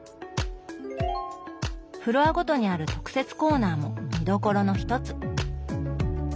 フロアごとにある特設コーナーも見どころの一つ。